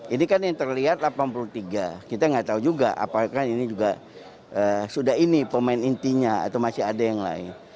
ini kan yang terlihat delapan puluh tiga kita nggak tahu juga apakah ini juga sudah ini pemain intinya atau masih ada yang lain